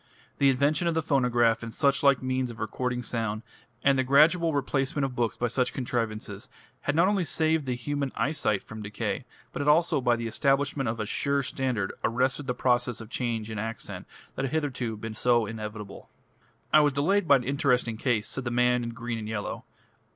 The invention of the phonograph and suchlike means of recording sound, and the gradual replacement of books by such contrivances, had not only saved the human eyesight from decay, but had also by the establishment of a sure standard arrested the process of change in accent that had hitherto been so inevitable. "I was delayed by an interesting case," said the man in green and yellow.